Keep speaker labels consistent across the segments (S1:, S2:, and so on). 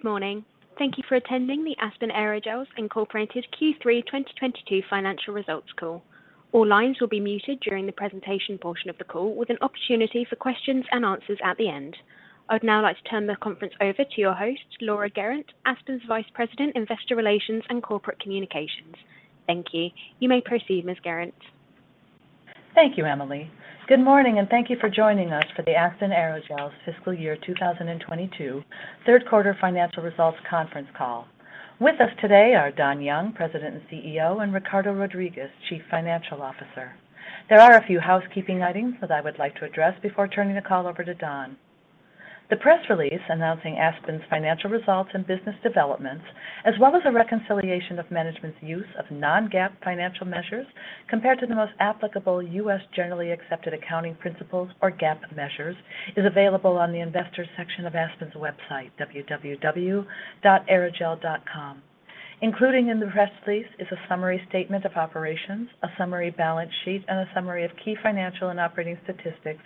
S1: Good morning. Thank you for attending the Aspen Aerogels, Inc. Q3 2022 financial results call. All lines will be muted during the presentation portion of the call with an opportunity for questions and answers at the end. I'd now like to turn the conference over to your host, Laura Guerrant, Aspen's Vice President, Investor Relations and Corporate Communications. Thank you. You may proceed, Ms. Guerrant.
S2: Thank you, Emily. Good morning, and thank you for joining us for the Aspen Aerogels Fiscal Year 2022 third quarter financial results conference call. With us today are Donald Young, President and CEO, and Ricardo Rodriguez, Chief Financial Officer. There are a few housekeeping items that I would like to address before turning the call over to Don. The press release announcing Aspen's financial results and business developments, as well as a reconciliation of management's use of non-GAAP financial measures compared to the most applicable U.S. generally accepted accounting principles or GAAP measures, is available on the investors section of Aspen's website, www.aerogel.com. Including in the press release is a summary statement of operations, a summary balance sheet, and a summary of key financial and operating statistics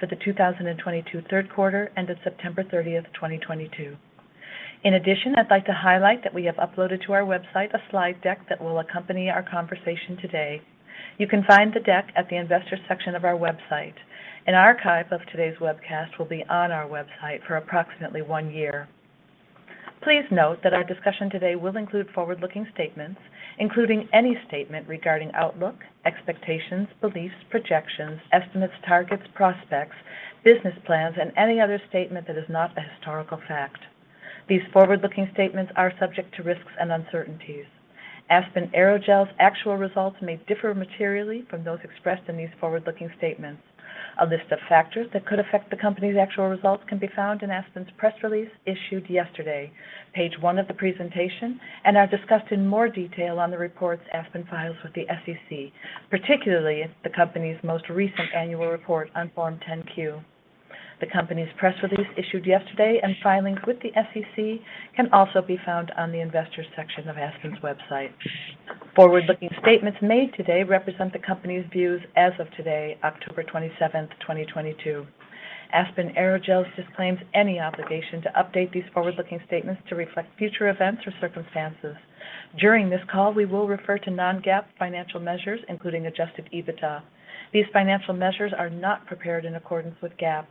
S2: for the 2022 third quarter ended September 30, 2022. In addition, I'd like to highlight that we have uploaded to our website a slide deck that will accompany our conversation today. You can find the deck at the investors section of our website. An archive of today's webcast will be on our website for approximately one year. Please note that our discussion today will include forward-looking statements, including any statement regarding outlook, expectations, beliefs, projections, estimates, targets, prospects, business plans, and any other statement that is not a historical fact. These forward-looking statements are subject to risks and uncertainties. Aspen Aerogels' actual results may differ materially from those expressed in these forward-looking statements. A list of factors that could affect the company's actual results can be found in Aspen's press release issued yesterday, page one of the presentation, and are discussed in more detail on the reports Aspen files with the SEC, particularly the company's most recent annual report on Form 10-Q. The company's press release issued yesterday and filings with the SEC can also be found on the investors section of Aspen's website. Forward-looking statements made today represent the company's views as of today, October 27, 2022. Aspen Aerogels disclaims any obligation to update these forward-looking statements to reflect future events or circumstances. During this call, we will refer to non-GAAP financial measures, including Adjusted EBITDA. These financial measures are not prepared in accordance with GAAP.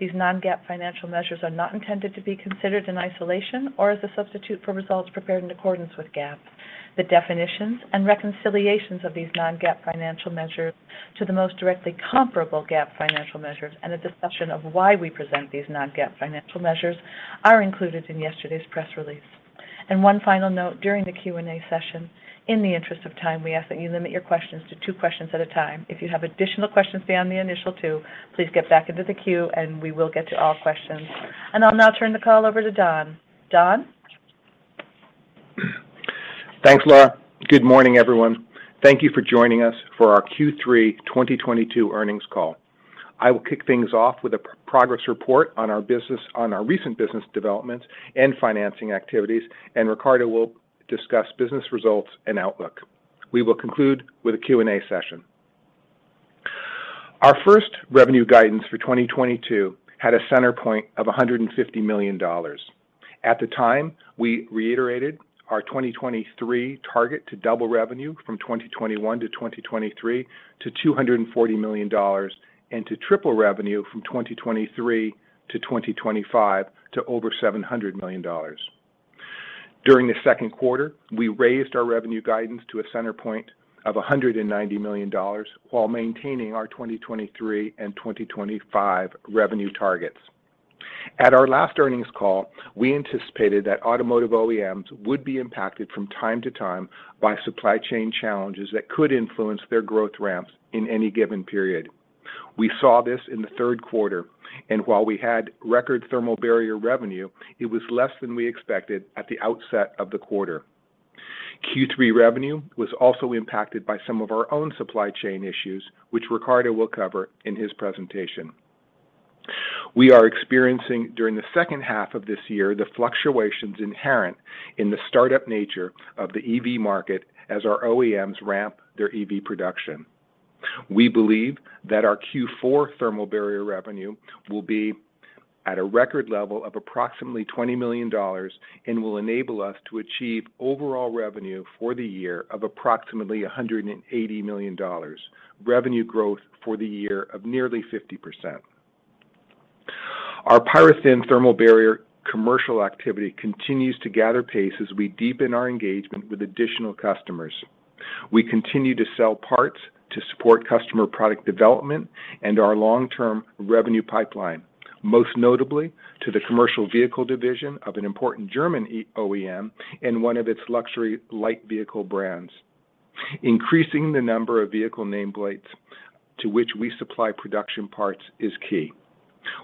S2: These non-GAAP financial measures are not intended to be considered in isolation or as a substitute for results prepared in accordance with GAAP. The definitions and reconciliations of these non-GAAP financial measures to the most directly comparable GAAP financial measures and a discussion of why we present these non-GAAP financial measures are included in yesterday's press release. One final note during the Q&A session. In the interest of time, we ask that you limit your questions to two questions at a time. If you have additional questions beyond the initial two, please get back into the queue, and we will get to all questions. I'll now turn the call over to Don. Don?
S3: Thanks, Laura. Good morning, everyone. Thank you for joining us for our Q3 2022 earnings call. I will kick things off with a progress report on our recent business developments and financing activities, and Ricardo will discuss business results and outlook. We will conclude with a Q&A session. Our first revenue guidance for 2022 had a center point of $150 million. At the time, we reiterated our 2023 target to double revenue from 2021 to 2023 to $240 million and to triple revenue from 2023 to 2025 to over $700 million. During the second quarter, we raised our revenue guidance to a center point of $190 million while maintaining our 2023 and 2025 revenue targets. At our last earnings call, we anticipated that automotive OEMs would be impacted from time to time by supply chain challenges that could influence their growth ramps in any given period. We saw this in the third quarter, and while we had record thermal barrier revenue, it was less than we expected at the outset of the quarter. Q3 revenue was also impacted by some of our own supply chain issues, which Ricardo will cover in his presentation. We are experiencing during the second half of this year the fluctuations inherent in the startup nature of the EV market as our OEMs ramp their EV production. We believe that our Q4 thermal barrier revenue will be at a record level of approximately $20 million and will enable us to achieve overall revenue for the year of approximately $180 million, revenue growth for the year of nearly 50%. Our PyroThin thermal barrier commercial activity continues to gather pace as we deepen our engagement with additional customers. We continue to sell parts to support customer product development and our long-term revenue pipeline, most notably to the commercial vehicle division of an important German EV OEM and one of its luxury light vehicle brands. Increasing the number of vehicle nameplates to which we supply production parts is key.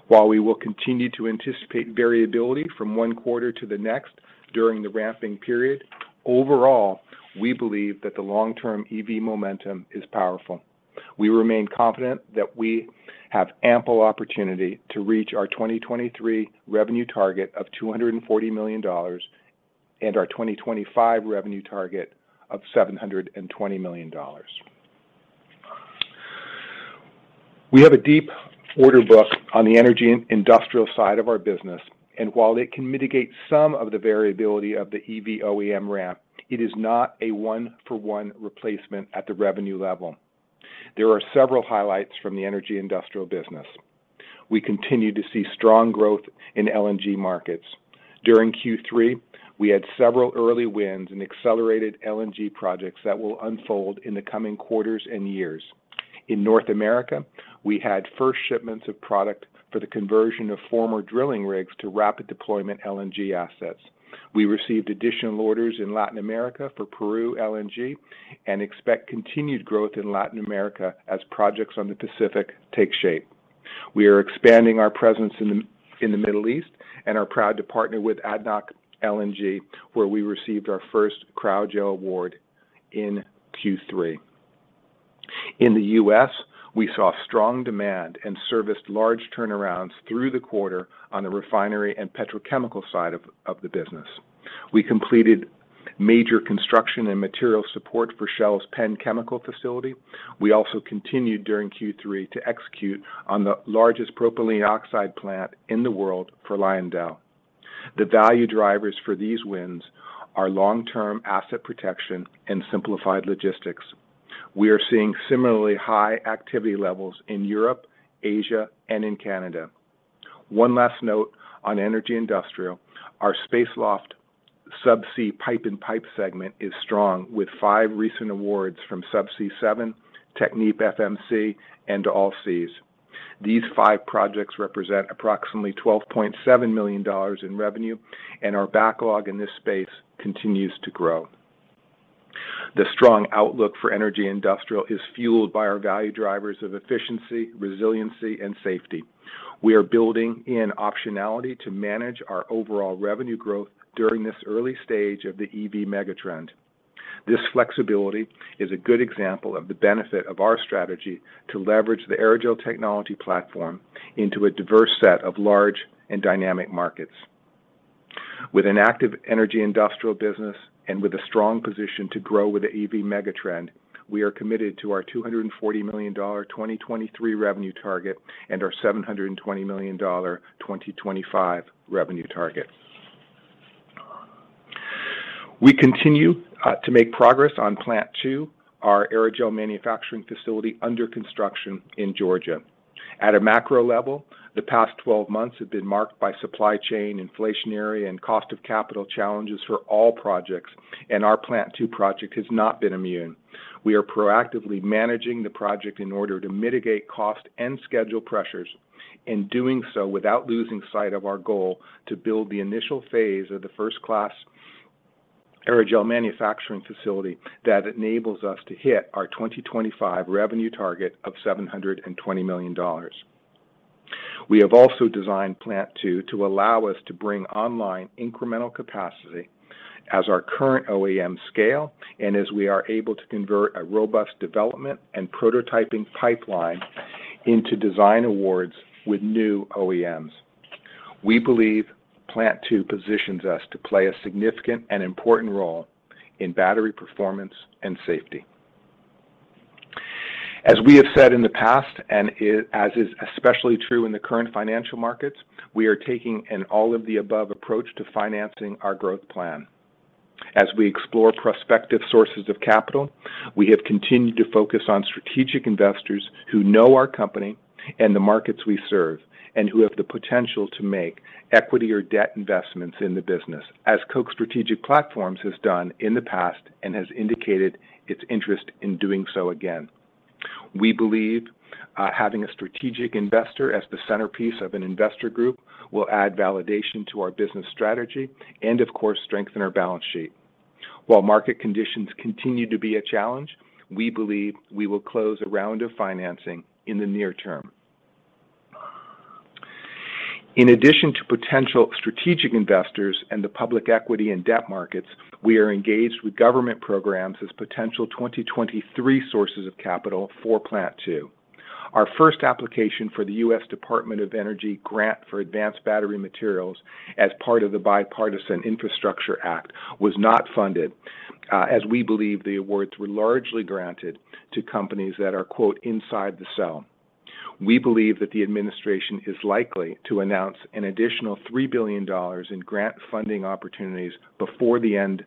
S3: While we will continue to anticipate variability from one quarter to the next during the ramping period, overall, we believe that the long-term EV momentum is powerful. We remain confident that we have ample opportunity to reach our 2023 revenue target of $240 million and our 2025 revenue target of $720 million. We have a deep order book on the energy and industrial side of our business, and while it can mitigate some of the variability of the EV OEM ramp, it is not a one-for-one replacement at the revenue level. There are several highlights from the energy and industrial business. We continue to see strong growth in LNG markets. During Q3, we had several early wins and accelerated LNG projects that will unfold in the coming quarters and years. In North America, we had first shipments of product for the conversion of former drilling rigs to rapid deployment LNG assets. We received additional orders in Latin America for Peru LNG and expect continued growth in Latin America as projects on the Pacific take shape. We are expanding our presence in the Middle East and are proud to partner with ADNOC LNG, where we received our first Cryogel award in Q3. In the U.S., we saw strong demand and serviced large turnarounds through the quarter on the refinery and petrochemical side of the business. We completed major construction and material support for Shell's Pennsylvania Chemical facility. We also continued during Q3 to execute on the largest propylene oxide plant in the world for LyondellBasell. The value drivers for these wins are long-term asset protection and simplified logistics. We are seeing similarly high activity levels in Europe, Asia, and in Canada. One last note on energy industrial. Our SpaceLoft subsea pipe-in-pipe segment is strong with 5 recent awards from Subsea 7, TechnipFMC, and Allseas. These five projects represent approximately $12.7 million in revenue, and our backlog in this space continues to grow. The strong outlook for energy industrial is fueled by our value drivers of efficiency, resiliency, and safety. We are building in optionality to manage our overall revenue growth during this early stage of the EV megatrend. This flexibility is a good example of the benefit of our strategy to leverage the aerogel technology platform into a diverse set of large and dynamic markets. With an active energy industrial business and with a strong position to grow with the EV megatrend, we are committed to our $240 million 2023 revenue target and our $720 million 2025 revenue target. We continue to make progress on Plant Two, our aerogel manufacturing facility under construction in Georgia. At a macro level, the past 12 months have been marked by supply chain, inflationary, and cost of capital challenges for all projects, and our Plant Two project has not been immune. We are proactively managing the project in order to mitigate cost and schedule pressures, and doing so without losing sight of our goal to build the initial phase of the first-class aerogel manufacturing facility that enables us to hit our 2025 revenue target of $720 million. We have also designed Plant Two to allow us to bring online incremental capacity as our current OEM scale and as we are able to convert a robust development and prototyping pipeline into design awards with new OEMs. We believe Plant Two positions us to play a significant and important role in battery performance and safety. As we have said in the past, as is especially true in the current financial markets, we are taking an all-of-the-above approach to financing our growth plan. As we explore prospective sources of capital, we have continued to focus on strategic investors who know our company and the markets we serve and who have the potential to make equity or debt investments in the business, as Koch Strategic Platforms has done in the past and has indicated its interest in doing so again. We believe having a strategic investor as the centerpiece of an investor group will add validation to our business strategy and, of course, strengthen our balance sheet. While market conditions continue to be a challenge, we believe we will close a round of financing in the near term. In addition to potential strategic investors and the public equity and debt markets, we are engaged with government programs as potential 2023 sources of capital for Plant Two. Our first application for the U.S. Department of Energy Grant for Advanced Battery Materials as part of the Bipartisan Infrastructure Act was not funded, as we believe the awards were largely granted to companies that are, quote, "inside the cell." We believe that the administration is likely to announce an additional $3 billion in grant funding opportunities before the end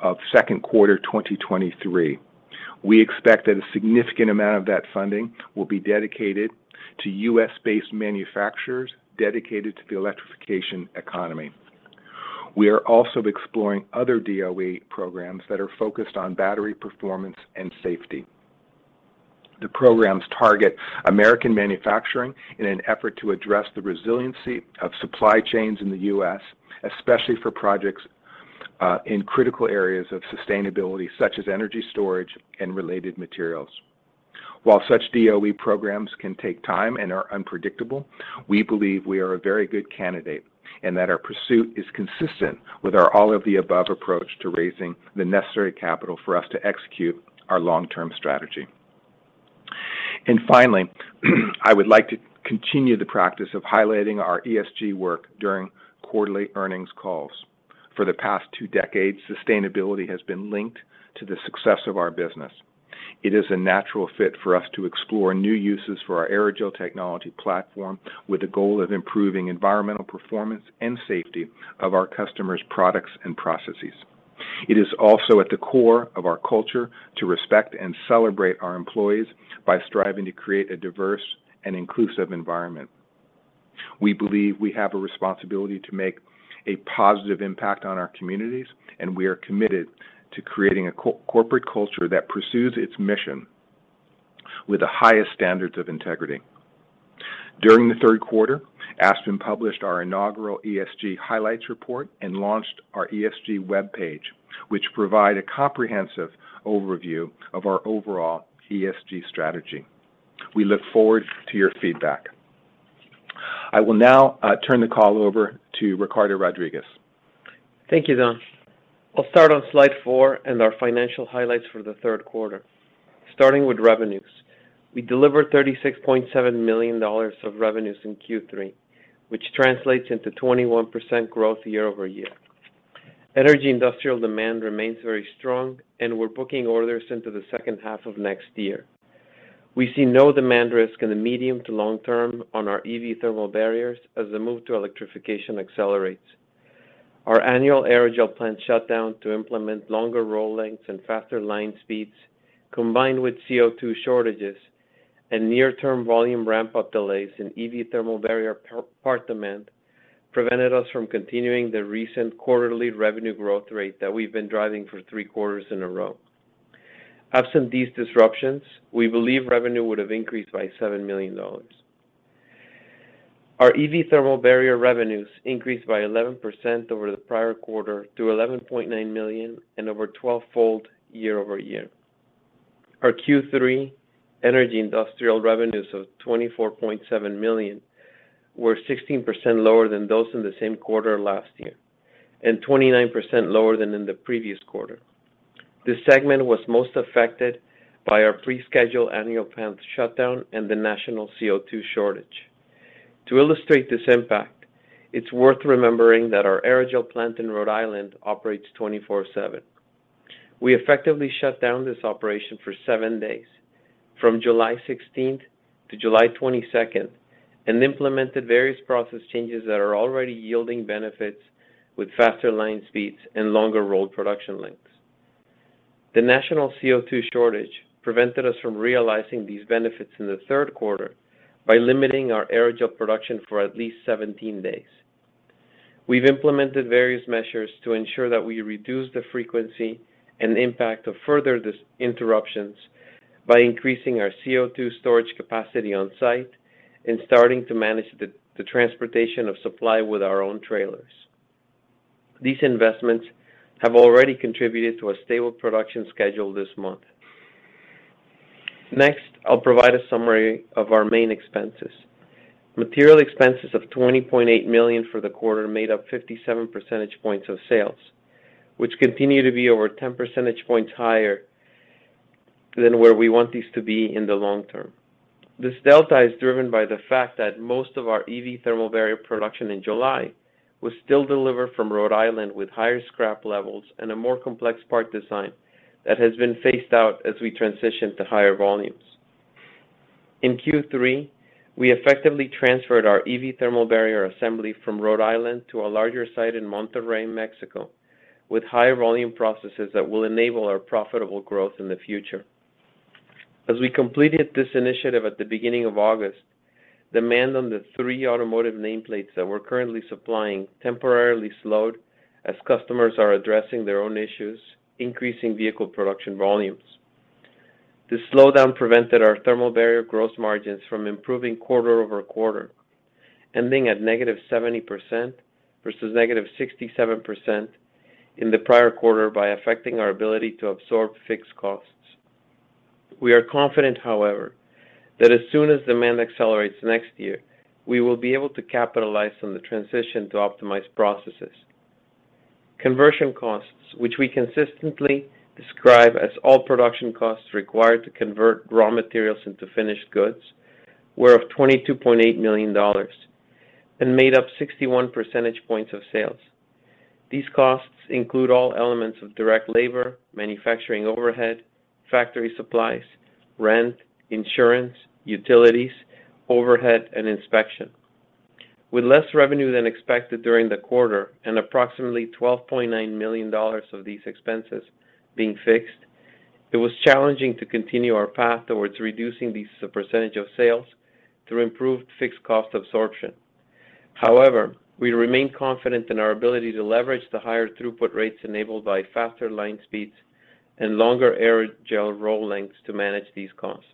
S3: of second quarter 2023. We expect that a significant amount of that funding will be dedicated to U.S.-based manufacturers dedicated to the electrification economy. We are also exploring other DOE programs that are focused on battery performance and safety. The programs target American manufacturing in an effort to address the resiliency of supply chains in the U.S., especially for projects in critical areas of sustainability, such as energy storage and related materials. While such DOE programs can take time and are unpredictable, we believe we are a very good candidate and that our pursuit is consistent with our all-of-the-above approach to raising the necessary capital for us to execute our long-term strategy. Finally, I would like to continue the practice of highlighting our ESG work during quarterly earnings calls. For the past two decades, sustainability has been linked to the success of our business. It is a natural fit for us to explore new uses for our aerogel technology platform with the goal of improving environmental performance and safety of our customers' products and processes. It is also at the core of our culture to respect and celebrate our employees by striving to create a diverse and inclusive environment. We believe we have a responsibility to make a positive impact on our communities, and we are committed to creating a corporate culture that pursues its mission with the highest standards of integrity. During the third quarter, Aspen published our inaugural ESG highlights report and launched our ESG webpage, which provide a comprehensive overview of our overall ESG strategy. We look forward to your feedback. I will now turn the call over to Ricardo Rodriguez.
S4: Thank you, Don. I'll start on slide four and our financial highlights for the third quarter. Starting with revenues. We delivered $36.7 million of revenues in Q3, which translates into 21% growth year-over-year. Energy industrial demand remains very strong, and we're booking orders into the second half of next year. We see no demand risk in the medium- to long-term on our EV thermal barriers as the move to electrification accelerates. Our annual Aerogel Plant Shutdown to implement longer roll lengths and faster line speeds, combined with CO2 shortages and near-term volume ramp-up delays in EV thermal barrier part demand, prevented us from continuing the recent quarterly revenue growth rate that we've been driving for three quarters in a row. Absent these disruptions, we believe revenue would have increased by $7 million. Our EV thermal barrier revenues increased by 11% over the prior quarter to $11.9 million and over 12-fold year-over-year. Our Q3 energy industrial revenues of $24.7 million were 16% lower than those in the same quarter last year and 29% lower than in the previous quarter. This segment was most affected by our prescheduled annual plant shutdown and the national CO2 shortage. To illustrate this impact, it's worth remembering that our aerogel plant in Rhode Island operates 24/7. We effectively shut down this operation for seven days from July 16th to July 22nd and implemented various process changes that are already yielding benefits with faster line speeds and longer roll production lengths. The national CO2 shortage prevented us from realizing these benefits in the third quarter by limiting our aerogel production for at least 17 days. We've implemented various measures to ensure that we reduce the frequency and impact of further interruptions by increasing our CO2 storage capacity on site and starting to manage the transportation of supply with our own trailers. These investments have already contributed to a stable production schedule this month. Next, I'll provide a summary of our main expenses. Material expenses of $20.8 million for the quarter made up 57 percentage points of sales, which continue to be over 10 percentage points higher than where we want these to be in the long term. This delta is driven by the fact that most of our EV thermal barrier production in July was still delivered from Rhode Island with higher scrap levels and a more complex part design that has been phased out as we transition to higher volumes. In Q3, we effectively transferred our EV thermal barrier assembly from Rhode Island to a larger site in Monterrey, Mexico, with higher volume processes that will enable our profitable growth in the future. As we completed this initiative at the beginning of August, demand on the three automotive nameplates that we're currently supplying temporarily slowed as customers are addressing their own issues, increasing vehicle production volumes. This slowdown prevented our thermal barrier gross margins from improving quarter-over-quarter, ending at -70% versus -67% in the prior quarter by affecting our ability to absorb fixed costs. We are confident, however, that as soon as demand accelerates next year, we will be able to capitalize on the transition to optimized processes. Conversion costs, which we consistently describe as all production costs required to convert raw materials into finished goods, were $22.8 million and made up 61 percentage points of sales. These costs include all elements of direct labor, manufacturing overhead, factory supplies, rent, insurance, utilities, overhead, and inspection. With less revenue than expected during the quarter and approximately $12.9 million of these expenses being fixed, it was challenging to continue our path towards reducing these as a percentage of sales through improved fixed cost absorption. However, we remain confident in our ability to leverage the higher throughput rates enabled by faster line speeds and longer aerogel roll lengths to manage these costs.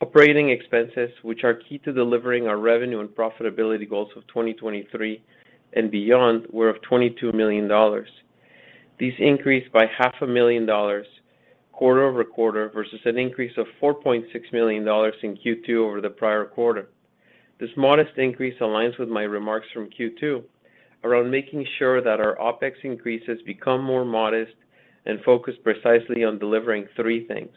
S4: Operating expenses, which are key to delivering our revenue and profitability goals of 2023 and beyond, were $22 million. These increased by half a million dollars quarter-over-quarter versus an increase of $4.6 million in Q2 over the prior quarter. This modest increase aligns with my remarks from Q2 around making sure that our OpEx increases become more modest and focused precisely on delivering three things.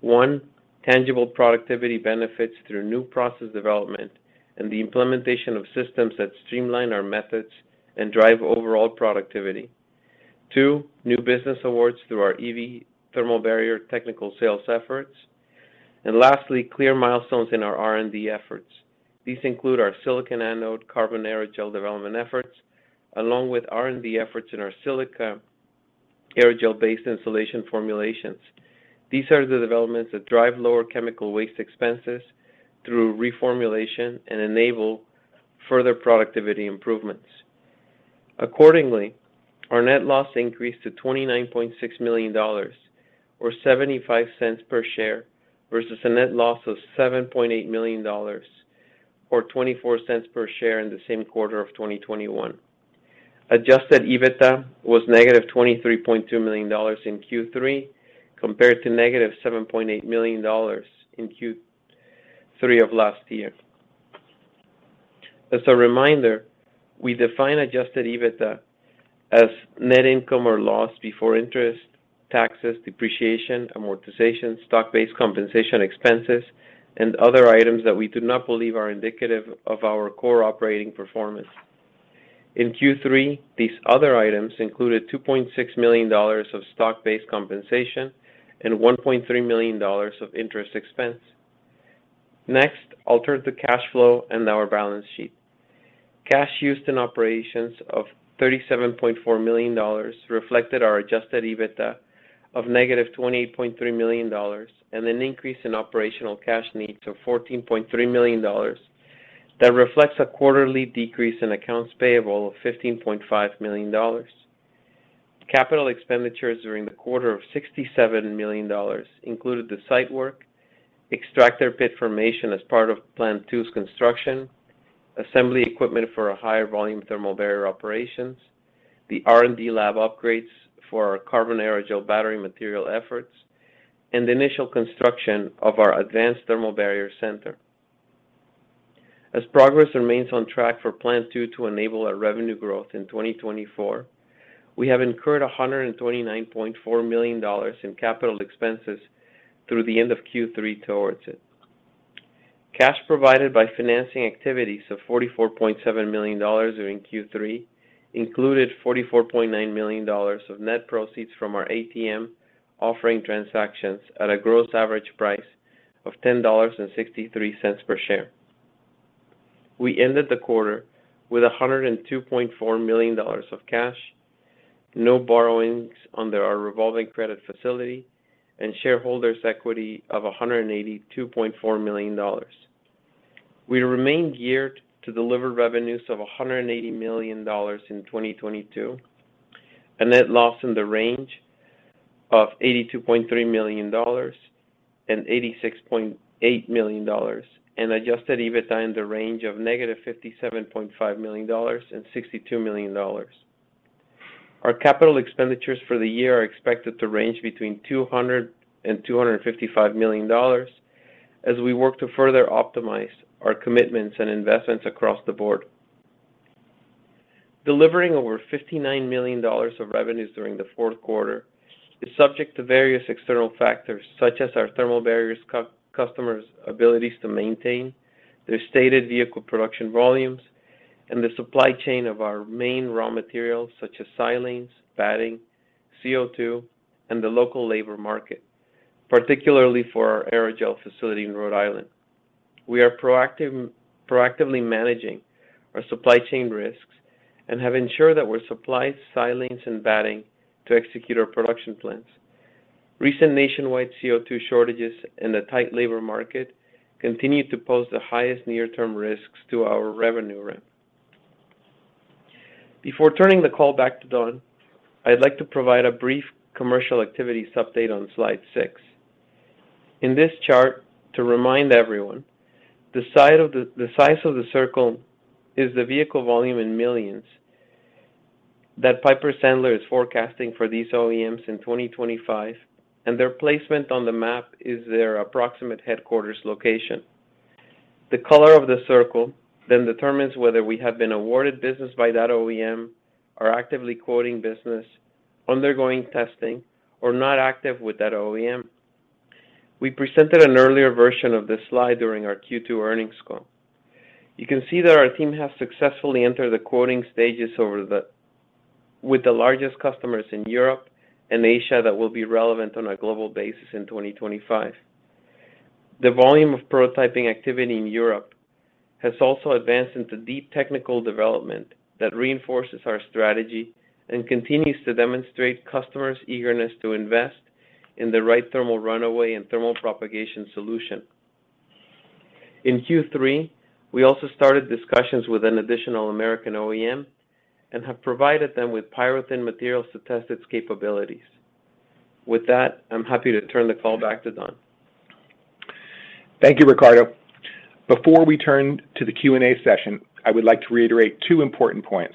S4: One, tangible productivity benefits through new process development and the implementation of systems that streamline our methods and drive overall productivity. Two, new business awards through our EV thermal barrier technical sales efforts. And lastly, clear milestones in our R&D efforts. These include our silicon anode carbon aerogel development efforts, along with R&D efforts in our silica aerogel-based insulation formulations. These are the developments that drive lower chemical waste expenses through reformulation and enable further productivity improvements. Accordingly, our net loss increased to $29.6 million or $0.75 per share, versus a net loss of $7.8 million or $0.24 per share in the same quarter of 2021. Adjusted EBITDA was -$23.2 million in Q3, compared to -$7.8 million in Q3 of last year. As a reminder, we define adjusted EBITDA as net income or loss before interest, taxes, depreciation, amortization, stock-based compensation expenses, and other items that we do not believe are indicative of our core operating performance. In Q3, these other items included $2.6 million of stock-based compensation and $1.3 million of interest expense. Next, I'll turn to cash flow and our balance sheet. Cash used in operations of $37.4 million reflected our Adjusted EBITDA of -$28.3 million and an increase in operational cash needs of $14.3 million that reflects a quarterly decrease in accounts payable of $15.5 million. Capital expenditures during the quarter of $67 million included the site work, extractor pit formation as part of Plant Two's construction, assembly equipment for a higher volume thermal barrier operations, the R&D lab upgrades for our carbon aerogel battery material efforts, and the initial construction of our Advanced Thermal Barrier Center. As progress remains on track for Plant Two to enable our revenue growth in 2024, we have incurred $129.4 million in capital expenses through the end of Q3 towards it. Cash provided by financing activities of $44.7 million during Q3 included $44.9 million of net proceeds from our ATM offering transactions at a gross average price of $10.63 per share. We ended the quarter with $102.4 million of cash, no borrowings under our revolving credit facility, and shareholders' equity of $182.4 million. We remain geared to deliver revenues of $180 million in 2022, a net loss in the range of $82.3 million-$86.8 million, and Adjusted EBITDA in the range of -$57.5 million-$62 million. Our capital expenditures for the year are expected to range between $200 million and $255 million as we work to further optimize our commitments and investments across the board. Delivering over $59 million of revenues during the fourth quarter is subject to various external factors, such as our thermal barriers customers' abilities to maintain their stated vehicle production volumes. And the supply chain of our main raw materials such as silanes, batting, CO2, and the local labor market, particularly for our aerogel facility in Rhode Island. We are proactively managing our supply chain risks and have ensured that we're supplied silanes and batting to execute our production plans. Recent nationwide CO2 shortages and a tight labor market continue to pose the highest near-term risks to our revenue ramp. Before turning the call back to Don, I'd like to provide a brief commercial activities update on slide six. In this chart, to remind everyone, the size of the circle is the vehicle volume in millions that Piper Sandler is forecasting for these OEMs in 2025, and their placement on the map is their approximate headquarters location. The color of the circle then determines whether we have been awarded business by that OEM, are actively quoting business, undergoing testing, or not active with that OEM. We presented an earlier version of this slide during our Q2 earnings call. You can see that our team has successfully entered the quoting stages with the largest customers in Europe and Asia that will be relevant on a global basis in 2025. The volume of prototyping activity in Europe has also advanced into deep technical development that reinforces our strategy and continues to demonstrate customers' eagerness to invest in the right thermal runaway and thermal propagation solution. In Q3, we also started discussions with an additional American OEM and have provided them with PyroThin materials to test its capabilities. With that, I'm happy to turn the call back to Don.
S3: Thank you, Ricardo. Before we turn to the Q&A session, I would like to reiterate two important points.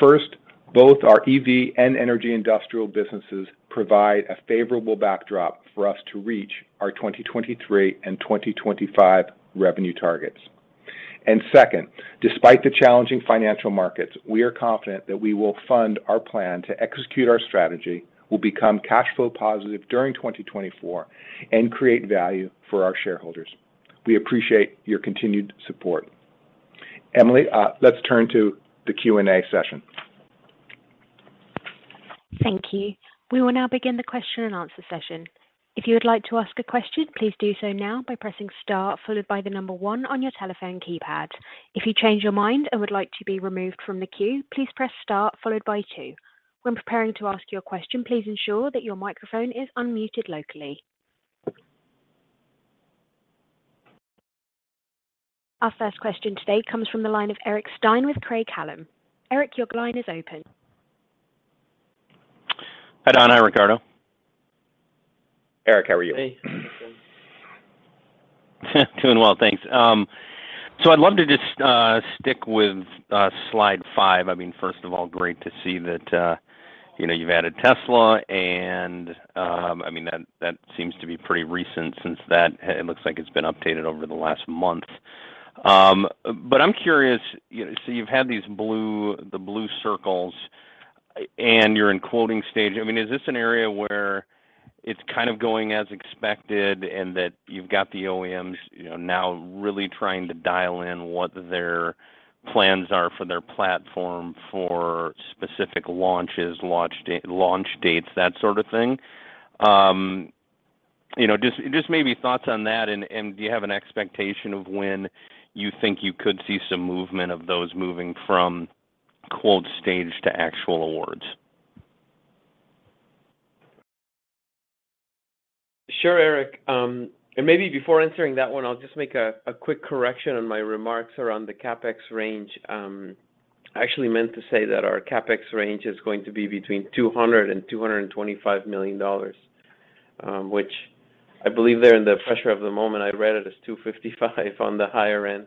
S3: First, both our EV and energy industrial businesses provide a favorable backdrop for us to reach our 2023 and 2025 revenue targets. Second, despite the challenging financial markets, we are confident that we will fund our plan to execute our strategy, we'll become cash flow positive during 2024, and create value for our shareholders. We appreciate your continued support. Emily, let's turn to the Q&A session.
S1: Thank you. We will now begin the question and answer session. If you would like to ask a question, please do so now by pressing star followed by 1 on your telephone keypad. If you change your mind and would like to be removed from the queue, please press star followed by 2. When preparing to ask your question, please ensure that your microphone is unmuted locally. Our first question today comes from the line of Eric Stine with Craig-Hallum. Eric, your line is open.
S5: Hi, Don. Hi, Ricardo.
S3: Eric, how are you?
S4: Hey. How's it going?
S5: Doing well, thanks. I'd love to just stick with slide five. I mean, first of all, great to see that, you know, you've added Tesla, and I mean, that seems to be pretty recent since it looks like it's been updated over the last month. I'm curious, you know, you've had these blue circles and you're in quoting stage. I mean, is this an area where it's kind of going as expected and that you've got the OEMs, you know, now really trying to dial in what their plans are for their platform for specific launches, launch dates, that sort of thing? You know, just maybe thoughts on that, and do you have an expectation of when you think you could see some movement of those moving from quote stage to actual awards?
S4: Sure, Eric. Maybe before answering that one, I'll just make a quick correction on my remarks around the CapEx range. I actually meant to say that our CapEx range is going to be between $200 million and $225 million, which I believe there in the pressure of the moment, I read it as $255 on the higher end.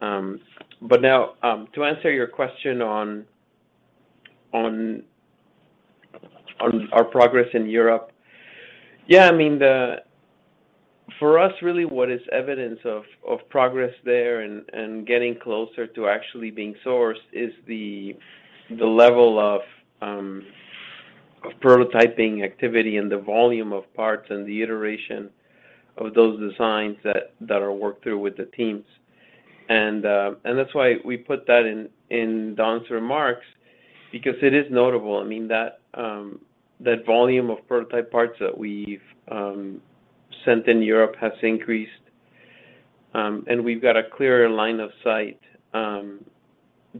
S4: Now, to answer your question on our progress in Europe, yeah, I mean, for us, really what is evidence of progress there and getting closer to actually being sourced is the level of prototyping activity and the volume of parts and the iteration of those designs that are worked through with the teams. That's why we put that in Don's remarks because it is notable. I mean, that volume of prototype parts that we've sent in Europe has increased, and we've got a clearer line of sight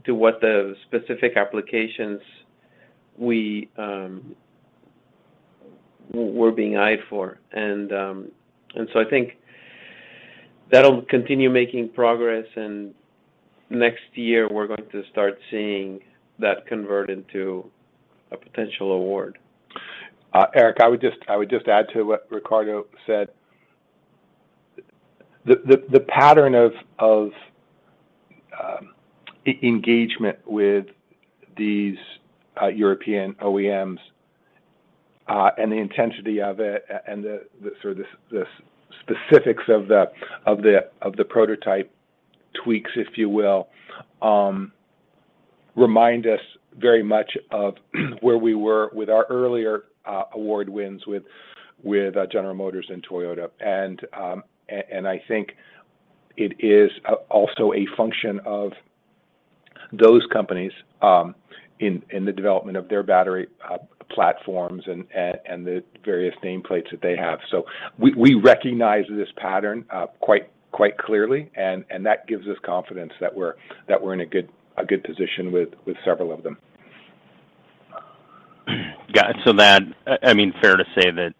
S4: to what the specific applications we were being eyed for. I think that'll continue making progress, and next year we're going to start seeing that convert into a potential award.
S3: Eric, I would just add to what Ricardo said. The pattern of engagement with these European OEMs and the intensity of it and the sort of specifics of the prototype tweaks, if you will, remind us very much of where we were with our earlier award wins with General Motors and Toyota. I think it is also a function of those companies in the development of their battery platforms and the various nameplates that they have. We recognize this pattern quite clearly, and that gives us confidence that we're in a good position with several of them.
S5: Got it. I mean, fair to say that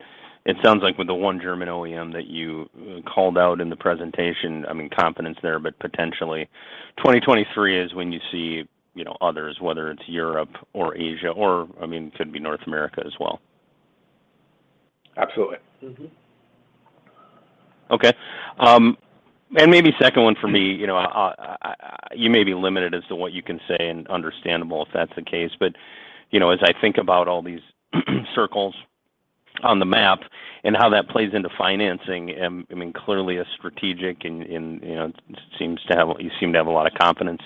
S5: it sounds like with the one German OEM that you called out in the presentation, I mean, confidence there, but potentially 2023 is when you see, you know, others, whether it's Europe or Asia or, I mean, could be North America as well.
S3: Absolutely.
S4: Mm-hmm.
S5: Okay. Maybe second one for me, you know, you may be limited as to what you can say, and understandable if that's the case, but you know, as I think about all these circles on the map and how that plays into financing, I mean, clearly a strategic and you know, you seem to have a lot of confidence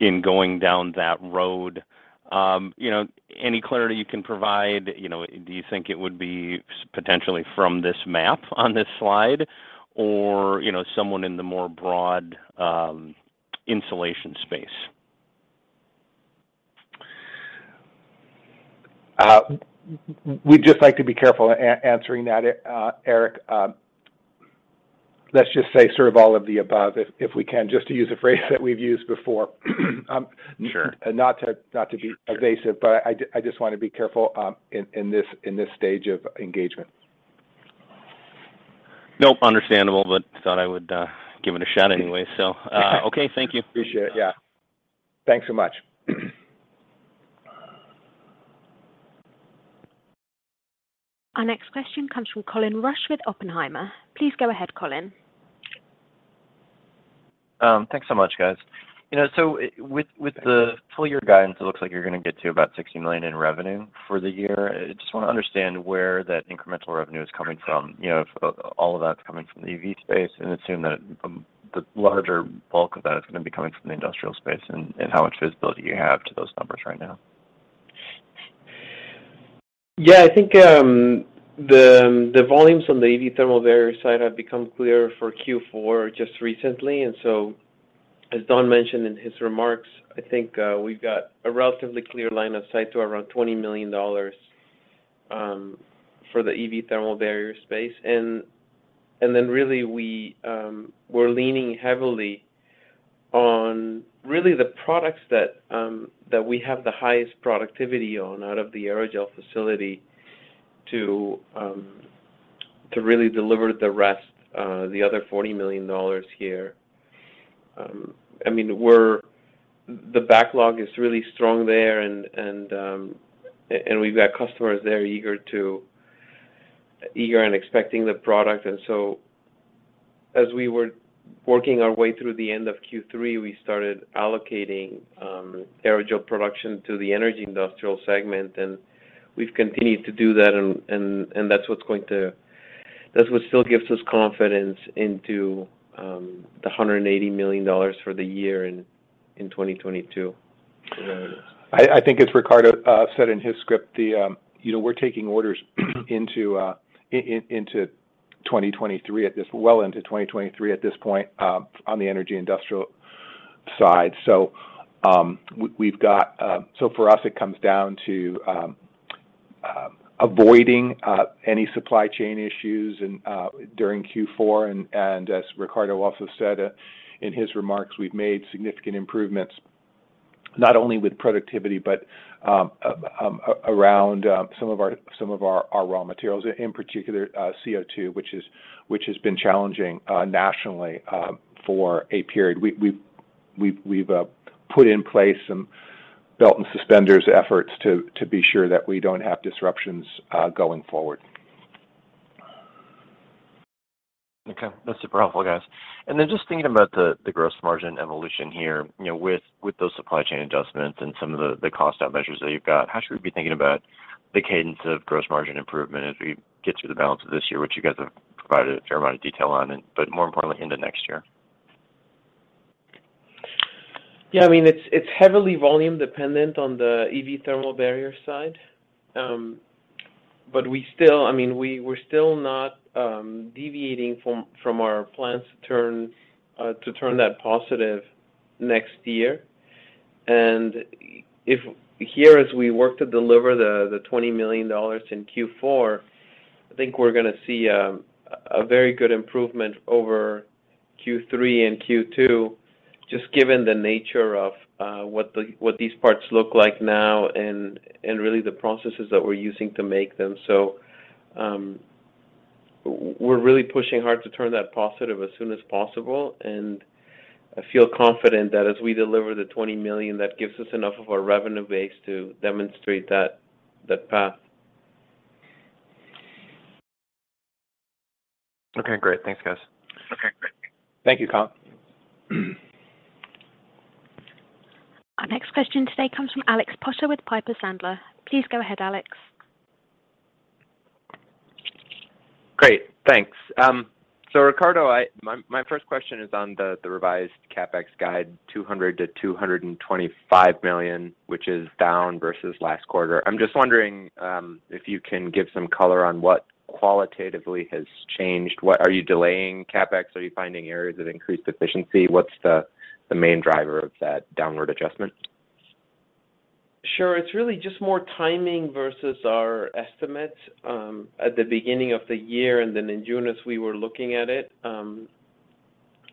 S5: in going down that road. You know, any clarity you can provide? You know, do you think it would be potentially from this map on this slide or you know, someone in the more broad insulation space?
S3: We'd just like to be careful answering that, Eric. Let's just say sort of all of the above, if we can, just to use a phrase that we've used before.
S5: Sure.
S3: Not to be evasive.
S5: Sure, sure.
S3: I just wanna be careful in this stage of engagement.
S5: Nope, understandable, but thought I would give it a shot anyway. Okay. Thank you.
S3: Appreciate it. Yeah. Thanks so much.
S1: Our next question comes from Colin Rusch with Oppenheimer. Please go ahead, Colin.
S6: Thanks so much, guys. You know, with the full year guidance, it looks like you're gonna get to about $60 million in revenue for the year. I just wanna understand where that incremental revenue is coming from. You know, if all of that's coming from the EV space, and assume that the larger bulk of that is gonna be coming from the industrial space, and how much visibility you have to those numbers right now.
S4: Yeah. I think the volumes on the EV thermal barrier side have become clearer for Q4 just recently. As Don mentioned in his remarks, I think we've got a relatively clear line of sight to around $20 million for the EV thermal barrier space. Then really we're leaning heavily on really the products that we have the highest productivity on out of the aerogel facility to really deliver the rest, the other $40 million here. I mean, the backlog is really strong there and we've got customers there eager and expecting the product. As we were working our way through the end of Q3, we started allocating Aerogel Production to the energy industrial segment, and we've continued to do that and that's what still gives us confidence into $180 million for the year in 2022.
S3: I think as Ricardo said in his script, we're taking orders into 2023 at this point on the energy industrial side. For us, it comes down to avoiding any supply chain issues during Q4. As Ricardo also said in his remarks, we've made significant improvements not only with productivity, but around some of our raw materials in particular, CO2, which has been challenging nationally for a period. We've put in place some belt and suspenders efforts to be sure that we don't have disruptions going forward.
S6: Okay. That's super helpful, guys. Then just thinking about the gross margin evolution here, you know, with those supply chain adjustments and some of the cost out measures that you've got, how should we be thinking about the cadence of gross margin improvement as we get through the balance of this year, which you guys have provided a fair amount of detail on, but more importantly into next year?
S4: Yeah. I mean, it's heavily volume dependent on the EV thermal barrier side. We still, I mean, we're still not deviating from our plans to turn that positive next year. If here, as we work to deliver the $20 million in Q4, I think we're gonna see a very good improvement over Q3 and Q2, just given the nature of what these parts look like now and really the processes that we're using to make them. We're really pushing hard to turn that positive as soon as possible, and I feel confident that as we deliver the $20 million, that gives us enough of a revenue base to demonstrate that path.
S6: Okay, great. Thanks, guys.
S3: Okay, great. Thank you, Colin.
S1: Our next question today comes from Alex Potter with Piper Sandler. Please go ahead, Alex.
S7: Great. Thanks. So Ricardo, my first question is on the revised CapEx guide, $200 million-$225 million, which is down versus last quarter. I'm just wondering if you can give some color on what qualitatively has changed. What are you delaying CapEx? Are you finding areas of increased efficiency? What's the main driver of that downward adjustment?
S4: Sure. It's really just more timing versus our estimates at the beginning of the year, and then in June as we were looking at it.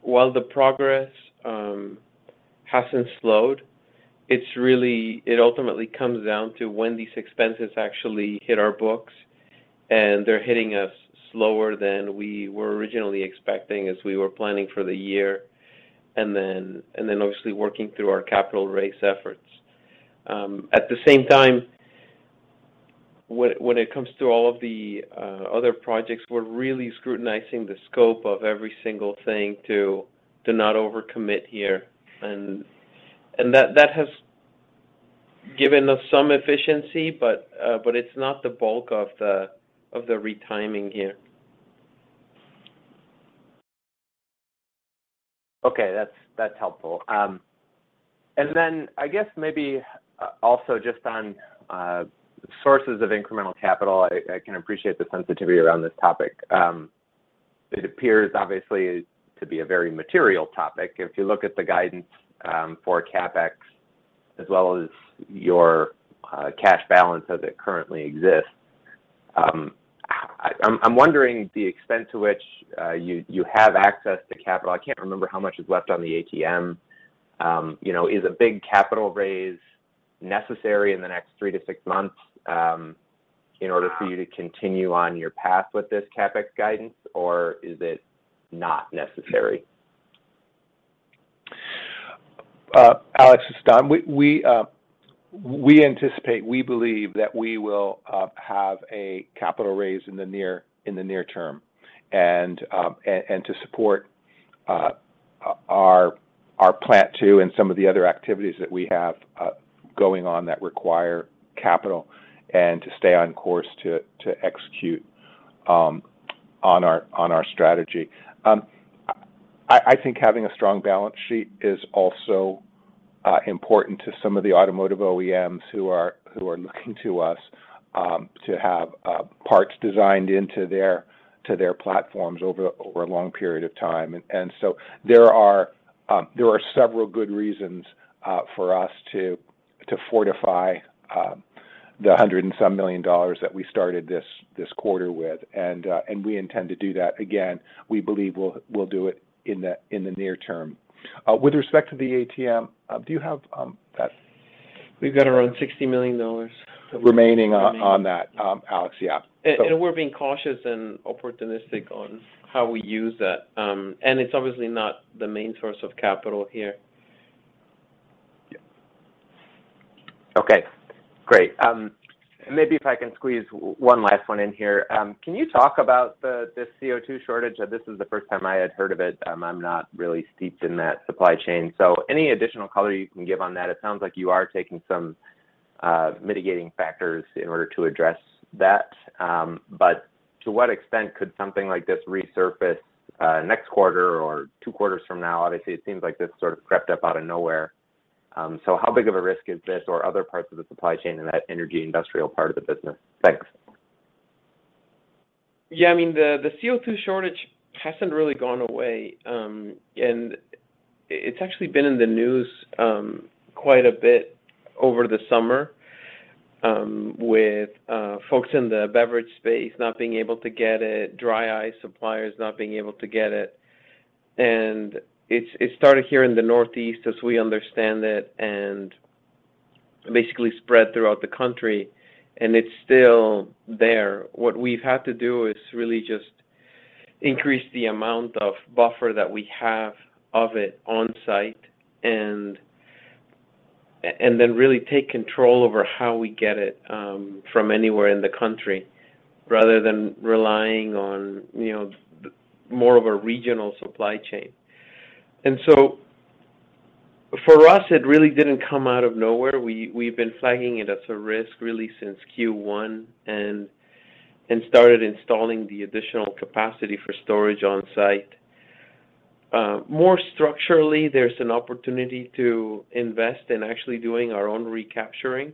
S4: While the progress hasn't slowed, it's really. It ultimately comes down to when these expenses actually hit our books, and they're hitting us slower than we were originally expecting as we were planning for the year, and then obviously working through our capital raise efforts. At the same time, when it comes to all of the other projects, we're really scrutinizing the scope of every single thing to not over-commit here. That has given us some efficiency, but it's not the bulk of the retiming here.
S7: Okay. That's helpful. Then I guess maybe also just on sources of incremental capital. I can appreciate the sensitivity around this topic. It appears obviously to be a very material topic. If you look at the guidance for CapEx as well as your cash balance as it currently exists, I'm wondering the extent to which you have access to capital. I can't remember how much is left on the ATM. You know, is a big capital raise necessary in the next 3-6 months in order for you to continue on your path with this CapEx guidance, or is it not necessary?
S3: Alex, it's Don. We anticipate, we believe that we will have a capital raise in the near term and to support our Plant Two and some of the other activities that we have going on that require capital and to stay on course to execute on our strategy. I think having a strong balance sheet is also important to some of the automotive OEMs who are looking to us to have parts designed into their platforms over a long period of time. There are several good reasons for us to fortify the $100 and some million dollars that we started this quarter with. We intend to do that. Again, we believe we'll do it in the near term. With respect to the ATM, do you have that?
S4: We've got around $60 million.
S3: Remaining on that, Alex. Yeah.
S4: We're being cautious and opportunistic on how we use that. It's obviously not the main source of capital here.
S3: Yeah.
S7: Okay, great. Maybe if I can squeeze one last one in here. Can you talk about this CO2 shortage? This is the first time I had heard of it. I'm not really steeped in that supply chain, so any additional color you can give on that. It sounds like you are taking some mitigating factors in order to address that. But to what extent could something like this resurface next quarter or two quarters from now? Obviously, it seems like this sort of crept up out of nowhere. So how big of a risk is this or other parts of the supply chain in that energy and industrial part of the business? Thanks.
S4: Yeah, I mean, the CO2 shortage hasn't really gone away. It's actually been in the news quite a bit over the summer with folks in the beverage space not being able to get it, dry ice suppliers not being able to get it. It started here in the Northeast as we understand it, and basically spread throughout the country, and it's still there. What we've had to do is really just increase the amount of buffer that we have of it on site and then really take control over how we get it from anywhere in the country, rather than relying on, you know, more of a regional supply chain. For us, it really didn't come out of nowhere. We've been flagging it as a risk really since Q1 and started installing the additional capacity for storage on site. More structurally, there's an opportunity to invest in actually doing our own recapturing.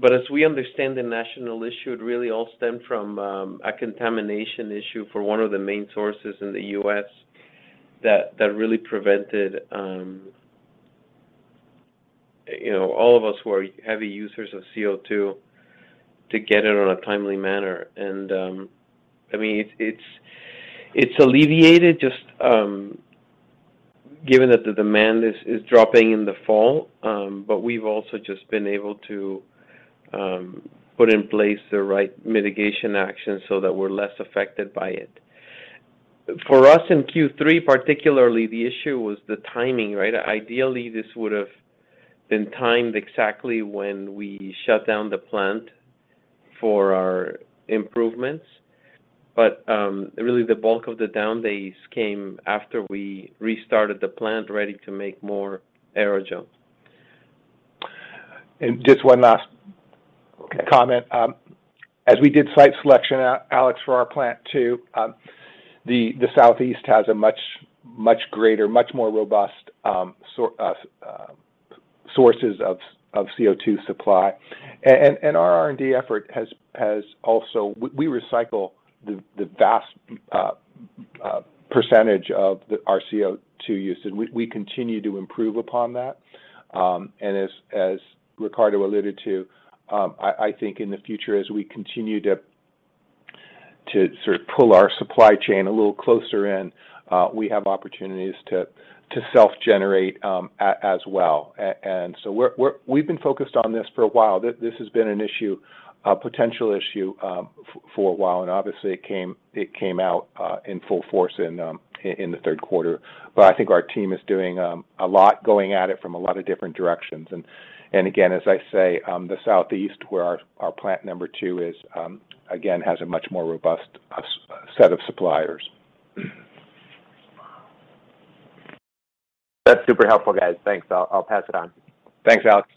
S4: As we understand the national issue, it really all stemmed from a contamination issue for one of the main sources in the U.S. that really prevented. You know all of us who are heavy users of CO2 to get it on a timely manner. I mean, it's alleviated just given that the demand is dropping in the fall, but we've also just been able to put in place the right mitigation actions so that we're less affected by it. For us in Q3 particularly, the issue was the timing, right? Ideally, this would have been timed exactly when we shut down the plant for our improvements. Really the bulk of the down days came after we restarted the plant ready to make more aerogel.
S3: Just one last comment. As we did site selection, Alex, for our Plant Two, the Southeast has a much greater, much more robust sources of CO2 supply. We recycle the vast percentage of our CO2 use, and we continue to improve upon that. As Ricardo alluded to, I think in the future, as we continue to sort of pull our supply chain a little closer in, we have opportunities to self-generate as well. We've been focused on this for a while. This has been an issue, a potential issue, for a while, and obviously it came out in full force in the third quarter. I think our team is doing a lot, going at it from a lot of different directions. Again, as I say, the Southeast where our plant number two is again has a much more robust set of suppliers.
S7: That's super helpful, guys. Thanks. I'll pass it on.
S3: Thanks, Alex.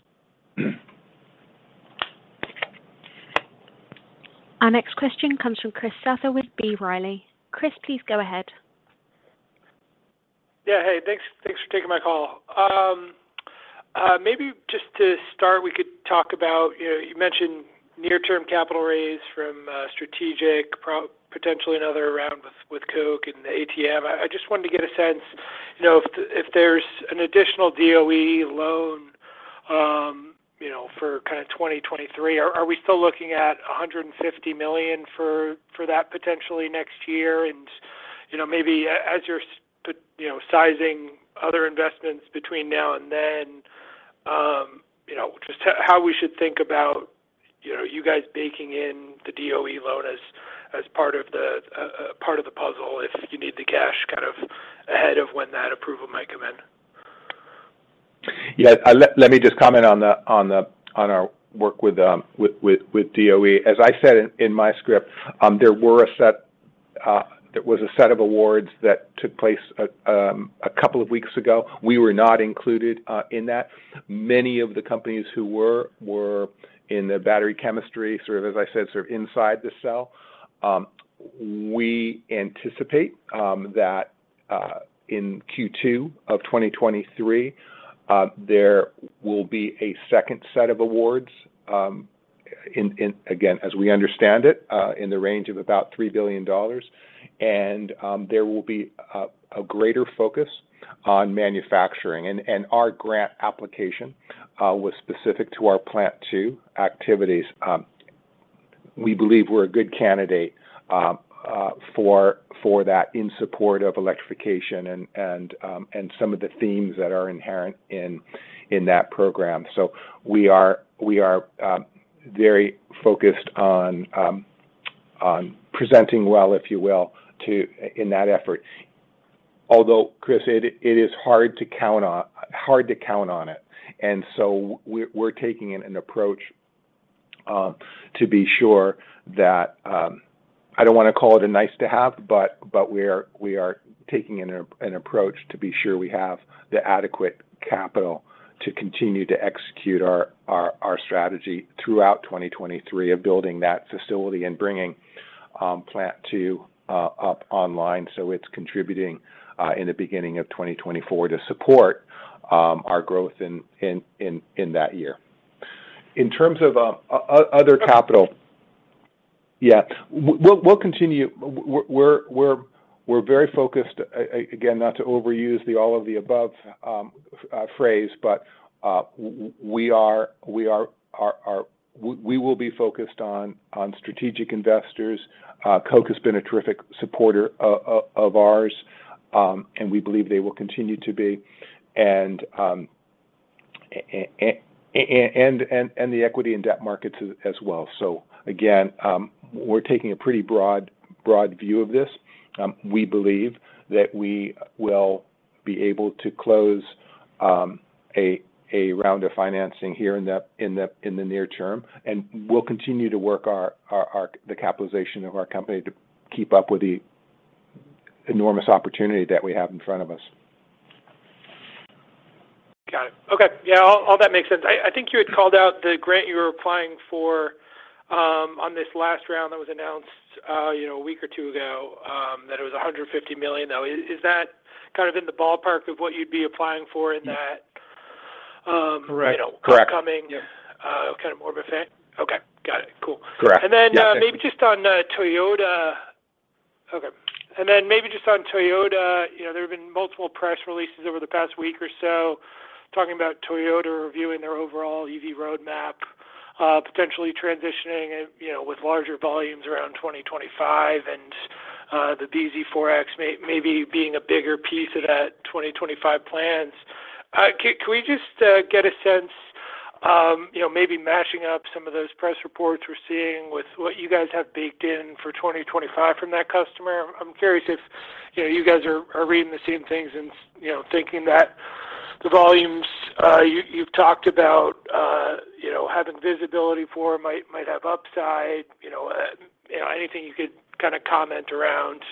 S1: Our next question comes from Chris Souther with B. Riley. Chris, please go ahead.
S8: Hey, thanks for taking my call. Maybe just to start, we could talk about, you know, you mentioned near-term capital raise from strategic potentially another round with Koch and the ATM. I just wanted to get a sense, you know, if there's an additional DOE loan, you know, for kinda 2023. Are we still looking at $150 million for that potentially next year? You know, maybe as you're sizing other investments between now and then, you know, just how we should think about you guys baking in the DOE loan as part of the puzzle if you need the cash kind of ahead of when that approval might come in.
S3: Yeah. Let me just comment on our work with DOE. As I said in my script, there was a set of awards that took place a couple of weeks ago. We were not included in that. Many of the companies who were were in the battery chemistry, sort of as I said, sort of inside the cell. We anticipate that in Q2 of 2023 there will be a second set of awards. Again, as we understand it, in the range of about $3 billion. There will be a greater focus on manufacturing. Our grant application was specific to our Plant Two activities. We believe we're a good candidate for that in support of electrification and some of the themes that are inherent in that program. We are very focused on presenting well, if you will, to in that effort. Although, Chris, it is hard to count on it. We're taking an approach to be sure that I don't wanna call it a nice to have, but we are taking an approach to be sure we have the adequate capital to continue to execute our strategy throughout 2023 of building that facility and bringing plant two up online so it's contributing in the beginning of 2024 to support our growth in that year. In terms of other capital. Yeah. We'll continue. We're very focused, again, not to overuse the all of the above phrase, but we will be focused on strategic investors. Koch has been a terrific supporter of ours, and we believe they will continue to be. The equity and debt markets as well. Again, we're taking a pretty broad view of this. We believe that we will be able to close a round of financing here in the near term. We'll continue to work the capitalization of our company to keep up with the enormous opportunity that we have in front of us.
S8: Got it. Okay. Yeah, all that makes sense. I think you had called out the grant you were applying for on this last round that was announced, you know, a week or two ago, that it was $150 million. Now, is that kind of in the ballpark of what you'd be applying for in that-
S3: Mm-hmm. Right. Correct. Yeah
S8: .....upcoming kind of more of a thing? Okay. Got it. Cool.
S3: Correct. Yeah. Thanks.
S8: Maybe just on Toyota. You know, there have been multiple press releases over the past week or so talking about Toyota reviewing their overall EV roadmap, potentially transitioning, you know, with larger volumes around 2025, and the bZ4X maybe being a bigger piece of that 2025 plans. Can we just get a sense, you know, maybe mashing up some of those press reports we're seeing with what you guys have baked in for 2025 from that customer? I'm curious if, you know, you guys are reading the same things and, you know, thinking that the volumes you have talked about, you know, having visibility for might have upside. You know, anything you could kinda comment around,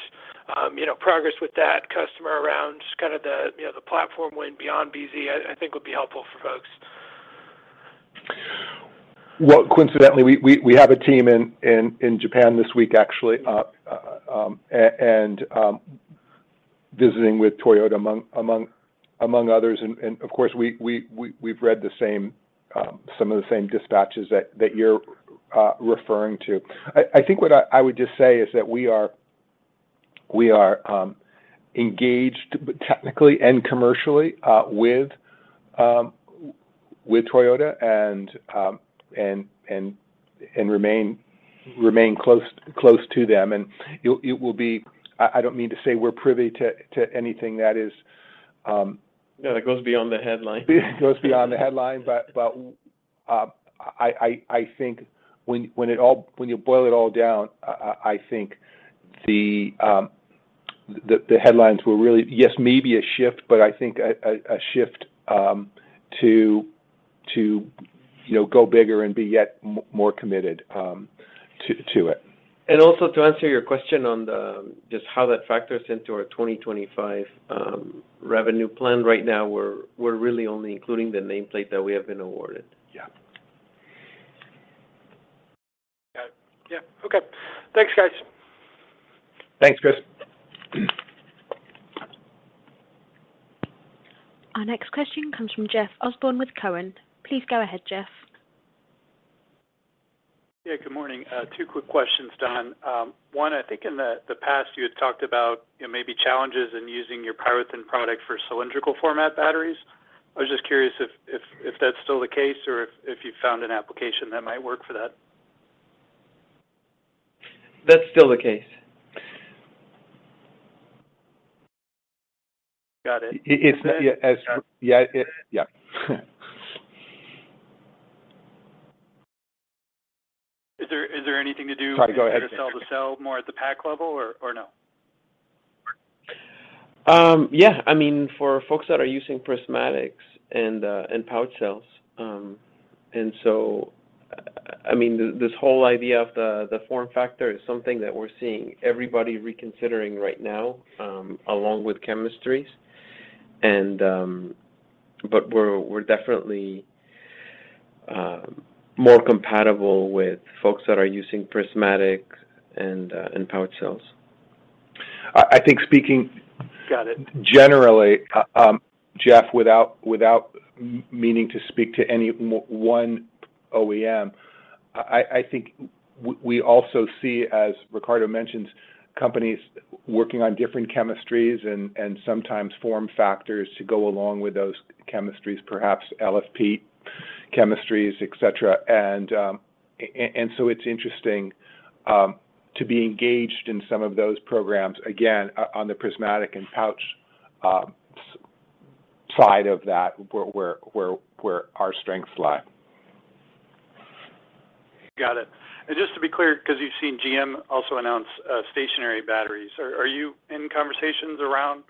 S8: you know, progress with that customer around just kinda the, you know, the platform going beyond bZ4X I think would be helpful for folks.
S3: Well, coincidentally, we have a team in Japan this week actually and visiting with Toyota among others. Of course we've read some of the same dispatches that you're referring to. I think what I would just say is that we are engaged technically and commercially with Toyota and remain close to them. It will be. I don't mean to say we're privy to anything that is
S4: Yeah, that goes beyond the headline.
S3: Goes beyond the headline. I think when you boil it all down, I think the headlines were really yes, maybe a shift, but I think a shift to you know go bigger and be yet more committed to it.
S4: Also to answer your question on just how that factors into our 2025 revenue plan, right now we're really only including the nameplate that we have been awarded.
S3: Yeah.
S8: Got it. Yeah. Okay. Thanks, guys.
S3: Thanks, Chris.
S1: Our next question comes from Jeff Osborne with TD Cowen. Please go ahead, Jeff.
S9: Yeah. Good morning. Two quick questions, Don. One, I think in the past you had talked about, you know, maybe challenges in using your PyroThin product for cylindrical format batteries. I was just curious if that's still the case or if you've found an application that might work for that?
S4: That's still the case.
S3: Yeah, it, yeah.
S9: Is there anything to do?
S3: Sorry, go ahead.
S9: ....to better sell the cell more at the pack level or no?
S4: Yeah. I mean, for folks that are using prismatic and pouch cells. I mean, this whole idea of the form factor is something that we're seeing everybody reconsidering right now, along with chemistries. We're definitely more compatible with folks that are using prismatic and pouch cells.
S3: I think speaking
S9: Got it.
S3: ....generally, Jeff, without meaning to speak to any one OEM, I think we also see, as Ricardo mentions, companies working on different chemistries and sometimes form factors to go along with those chemistries, perhaps LFP chemistries, et cetera. It's interesting to be engaged in some of those programs, again, on the prismatic and pouch side of that where our strengths lie.
S9: Got it. Just to be clear, 'cause you've seen GM also announce stationary batteries. Are you in conversations around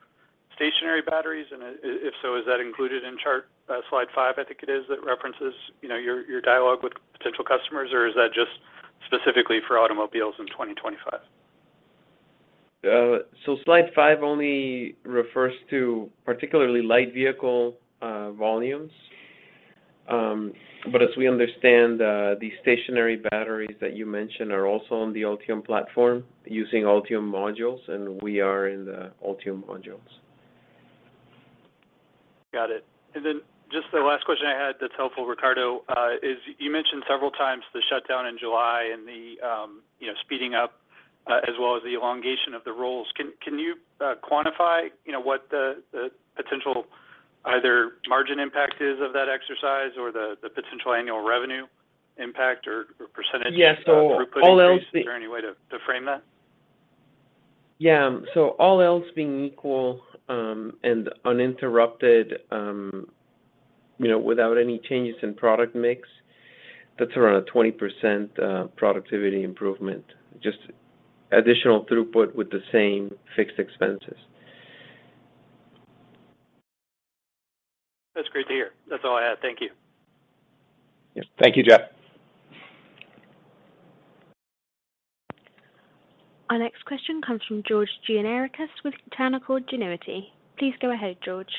S9: stationary batteries? If so, is that included in chart, slide five, I think it is, that references, you know, your dialogue with potential customers, or is that just specifically for automobiles in 2025?
S4: Slide five only refers to particularly light vehicle volumes. As we understand, the stationary batteries that you mentioned are also on the Ultium platform using Ultium modules, and we are in the Ultium modules.
S9: Got it. Then just the last question I had that's helpful, Ricardo, is you mentioned several times the shutdown in July and the, you know, speeding up, as well as the elongation of the rolls. Can you quantify, you know, what the potential either margin impact is of that exercise or the potential annual revenue impact or percentage-
S4: Yeah.
S9: ....throughput increase. Is there any way to frame that?
S4: All else being equal, and uninterrupted, you know, without any changes in product mix, that's around a 20% productivity improvement, just additional throughput with the same fixed expenses.
S9: That's great to hear. That's all I had. Thank you.
S3: Yes. Thank you, Jeff.
S1: Our next question comes from George Gianarikas with Canaccord Genuity. Please go ahead, George.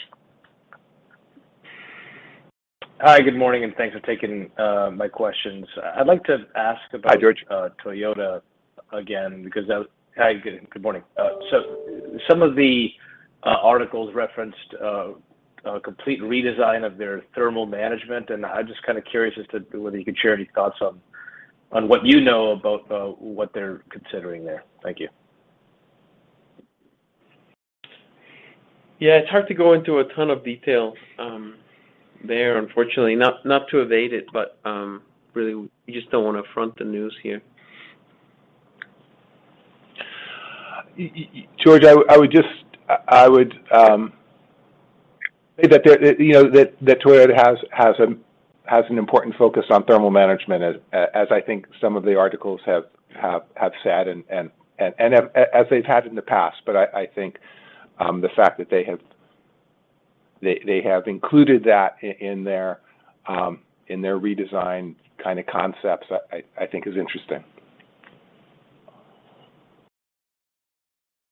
S10: Hi, good morning, and thanks for taking my questions. I'd like to ask about Toyota, again, because...
S3: Hi, George.
S10: Hi, good morning. Some of the articles referenced a complete redesign of their thermal management, and I'm just kinda curious as to whether you could share any thoughts on what you know about what they're considering there. Thank you.
S4: Yeah. It's hard to go into a ton of detail there, unfortunately. Not to evade it, but really we just don't wanna front the news here.
S3: George, I would just say that there, you know, that Toyota has an important focus on thermal management as I think some of the articles have said and have—as they've had in the past. I think the fact that they have included that in their redesign kinda concepts, I think is interesting.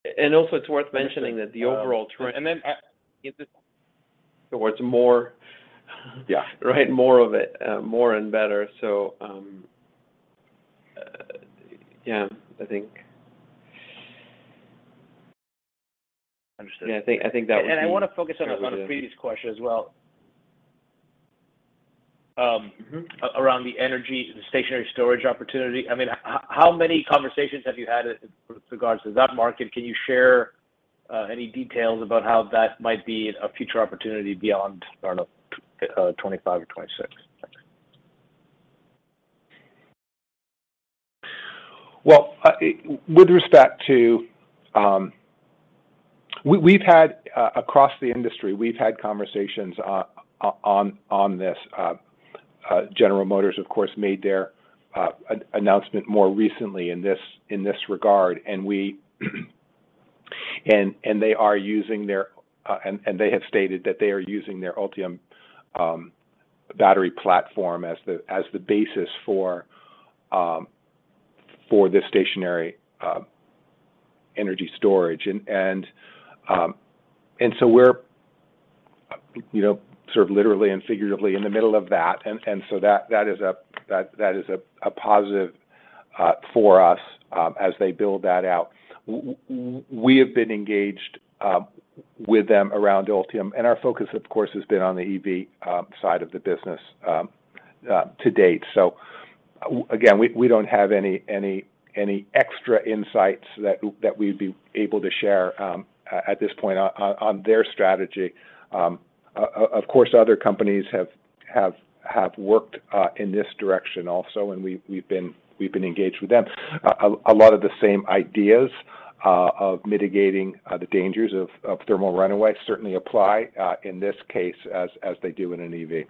S4: It's worth mentioning that the overall trend.
S10: And then I... Is this-
S4: It's more.
S3: Yeah
S4: Right? More of it. More and better. Yeah, I think.
S10: Understood.
S4: Yeah, I think that would be.
S10: I wanna focus on a previous question as well.
S4: Mm-hmm
S10: around the energy, the stationary storage opportunity. I mean, how many conversations have you had with regards to that market? Can you share, any details about how that might be a future opportunity beyond, I don't know, 25 or 26?
S3: Well, with respect to, we've had across the industry conversations on this. General Motors, of course, made their announcement more recently in this regard, and they have stated that they are using their Ultium battery platform as the basis for the stationary energy storage. We're, you know, sort of literally and figuratively in the middle of that. That is a positive for us as they build that out. We have been engaged with them around Ultium, and our focus, of course, has been on the EV side of the business to date. Again, we don't have any extra insights that we'd be able to share at this point on their strategy. Of course other companies have worked in this direction also, and we've been engaged with them. A lot of the same ideas of mitigating the dangers of thermal runaway certainly apply in this case as they do in an EV.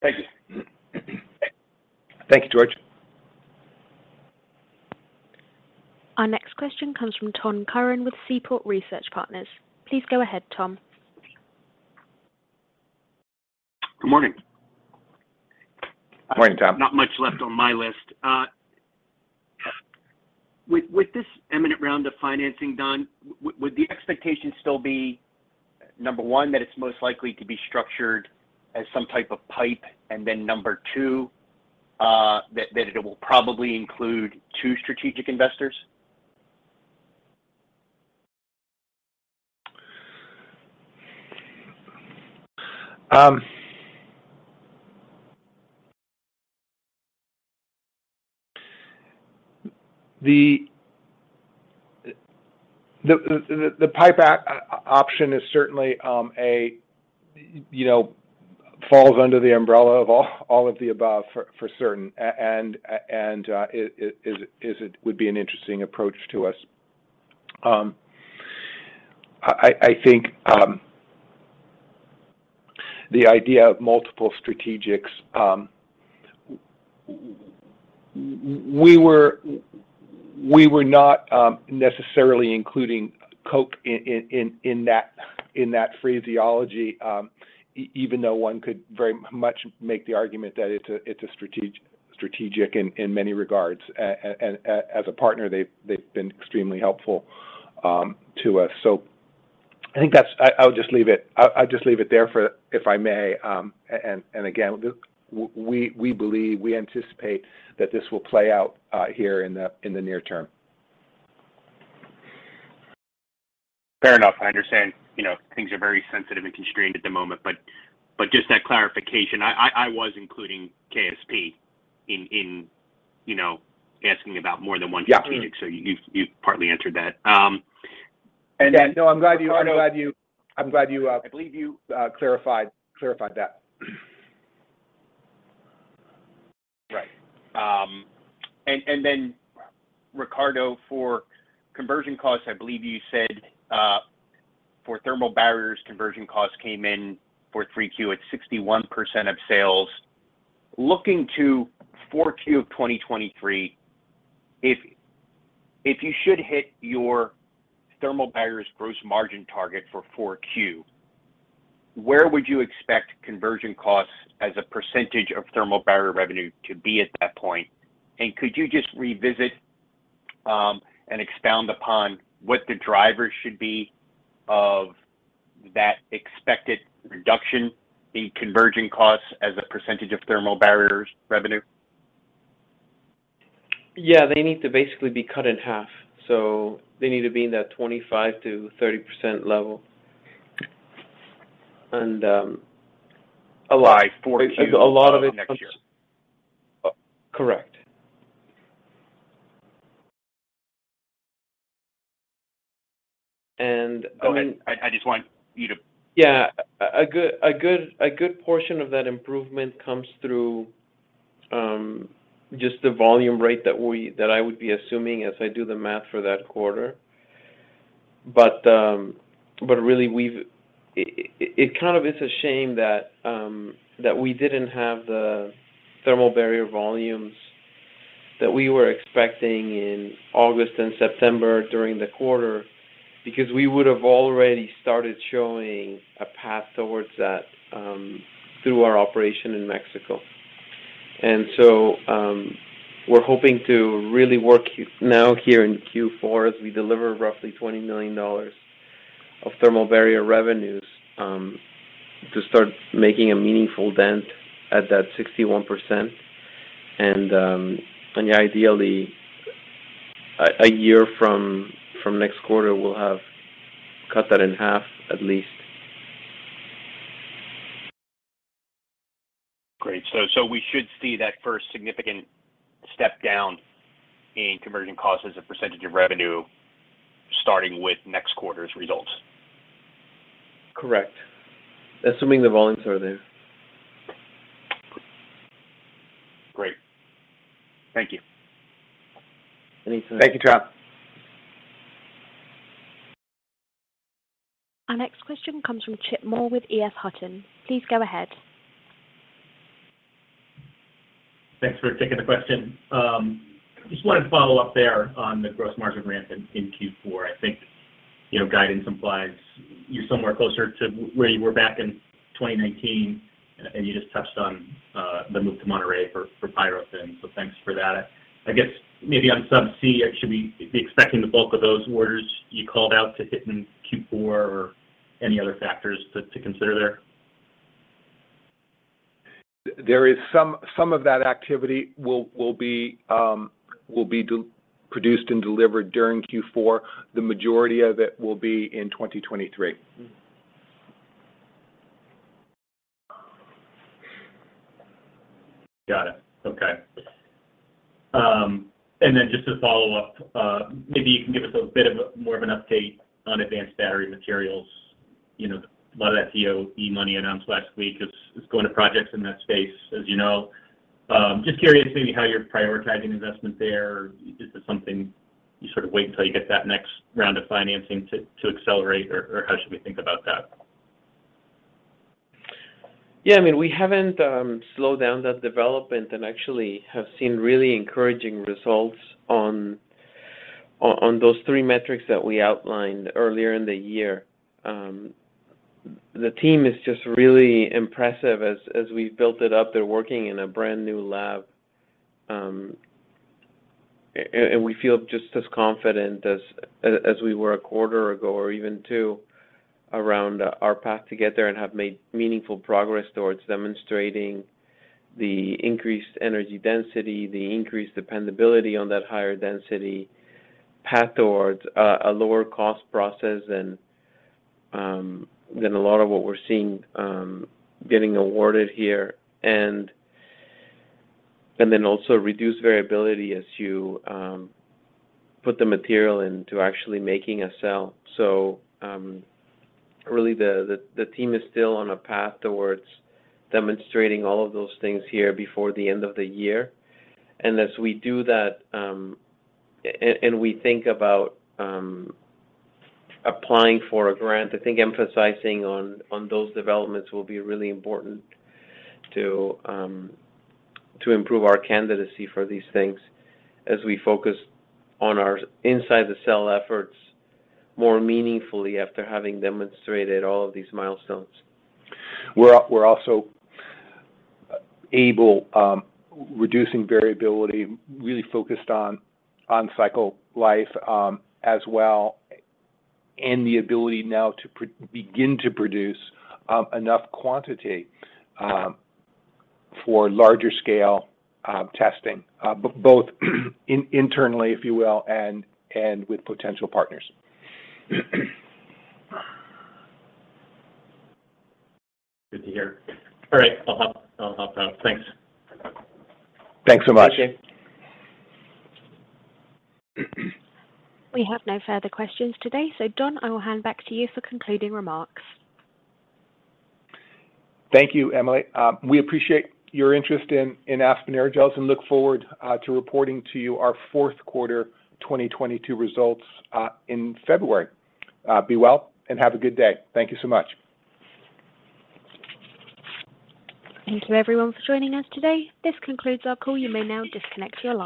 S10: Thank you.
S3: Thank you, George.
S1: Our next question comes from Tom Curran with Seaport Research Partners. Please go ahead, Tom.
S11: Good morning.
S3: Morning, Tom.
S11: Not much left on my list. With this imminent round of financing done, would the expectation still be, number one, that it's most likely to be structured as some type of PIPE? Number two, that it will probably include two strategic investors?
S3: The PIPE option is certainly a you know falls under the umbrella of all of the above for certain. It would be an interesting approach to us. I think the idea of multiple strategics. We were not necessarily including Koch in that phraseology, even though one could very much make the argument that it's a strategic in many regards. As a partner, they've been extremely helpful to us. I think that's. I'll just leave it there, if I may. We believe we anticipate that this will play out here in the near term.
S11: Fair enough. I understand, you know, things are very sensitive and constrained at the moment, but just that clarification. I was including KSP in, you know, asking about more than one strategic-
S3: Yeah.
S11: You've partly answered that. Then-
S3: Yeah. No, I'm glad you, I believe you clarified that.
S11: Right. And then Ricardo, for conversion costs, I believe you said, for thermal barriers, conversion costs came in for 3Q at 61% of sales. Looking to 4Q of 2023, if you should hit your thermal barriers gross margin target for 4Q, where would you expect conversion costs as a percentage of thermal barrier revenue to be at that point? Could you just revisit and expound upon what the drivers should be of that expected reduction in conversion costs as a percentage of thermal barriers revenue?
S4: Yeah. They need to basically be cut in half, so they need to be in that 25%-30% level.
S11: All 4Q of next year.
S4: Correct.
S11: Go ahead. I just want you to.
S4: Yeah. A good portion of that improvement comes through just the volume rate that I would be assuming as I do the math for that quarter. But really it kind of is a shame that we didn't have the thermal barrier volumes that we were expecting in August and September during the quarter, because we would have already started showing a path towards that through our operation in Mexico. We're hoping to really work now here in Q4 as we deliver roughly $20 million of thermal barrier revenues to start making a meaningful dent at that 61%. Ideally, a year from next quarter, we'll have cut that in half at least.
S11: Great. We should see that first significant step down in conversion costs as a percentage of revenue starting with next quarter's results?
S4: Correct. Assuming the volumes are there.
S11: Great. Thank you.
S4: Thanks.
S3: Thank you, Tom.
S1: Our next question comes from Chip Moore with EF Hutton. Please go ahead.
S12: Thanks for taking the question. Just wanted to follow up there on the gross margin ramp in Q4. I think, you know, guidance implies you're somewhere closer to where you were back in 2019, and you just touched on the move to Monterrey for Pyrogel, so thanks for that. I guess maybe on subsea, should we be expecting the bulk of those orders you called out to hit in Q4 or any other factors to consider there?
S3: Some of that activity will be produced and delivered during Q4. The majority of it will be in 2023.
S12: Got it. Okay. Just to follow up, maybe you can give us a bit of a more of an update on advanced battery materials. You know, a lot of that DOE money announced last week is going to projects in that space, as you know. Just curious maybe how you're prioritizing investment there. Is this something you sort of wait until you get that next round of financing to accelerate, or how should we think about that?
S4: Yeah, I mean, we haven't slowed down that development and actually have seen really encouraging results on those three metrics that we outlined earlier in the year. The team is just really impressive as we've built it up. They're working in a brand-new lab, and we feel just as confident as we were a quarter ago or even two around our path to get there and have made meaningful progress towards demonstrating the increased energy density, the increased dependability on that higher density path towards a lower cost process than a lot of what we're seeing getting awarded here. Also reduce variability as you put the material into actually making a cell. Really the team is still on a path towards demonstrating all of those things here before the end of the year. As we do that, we think about applying for a grant. I think emphasizing on those developments will be really important to improve our candidacy for these things as we focus on our inside the cell efforts more meaningfully after having demonstrated all of these milestones.
S3: We're also able, reducing variability, really focused on cycle life as well, and the ability now to begin to produce enough quantity for larger scale testing, both internally, if you will, and with potential partners.
S12: Good to hear. All right. I'll hop out. Thanks.
S3: Thanks so much.
S12: Okay.
S1: We have no further questions today. Don, I will hand back to you for concluding remarks.
S3: Thank you, Emily. We appreciate your interest in Aspen Aerogels and look forward to reporting to you our fourth quarter 2022 results in February. Be well, and have a good day. Thank you so much.
S1: Thank you everyone for joining us today. This concludes our call. You may now disconnect your line.